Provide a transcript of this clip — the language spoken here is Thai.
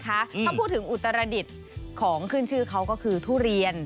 ถ้าพูดถึงอุตรดิษฐ์ของขึ้นชื่อเขาก็คือทุเรียน